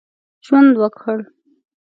ژوند وکړ.